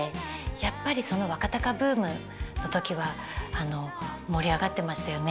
やっぱりその若貴ブームの時は盛り上がってましたよね。